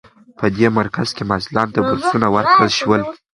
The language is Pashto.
په دې مرکز کې محصلانو ته بورسونه ورکړل شول.